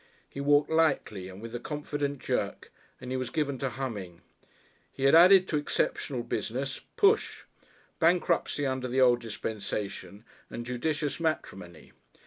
He walked lightly and with a confident jerk, and he was given to humming. He had added to exceptional business "push," bankruptcy under the old dispensation, and judicious matrimony.